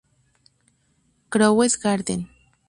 Crowe’s Garden".